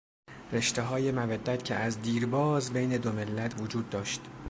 رشتههای مودت که از دیرباز بین دو ملت وجود داشت.